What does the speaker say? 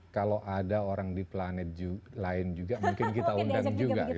kalau ada orang di planet lain juga mungkin kita undang juga